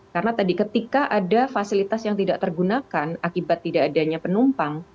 karena tadi ketika ada fasilitas yang tidak tergunakan akibat tidak adanya penumpang